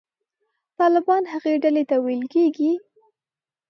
طالبان هغې ډلې ته ویل کېږي.